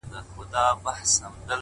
حقیقت ذهن له درنو بارونو خلاصوي!